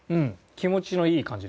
気持ちのいい感じでした。